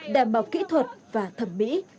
đảm bảo kỹ thuật và thẩm mỹ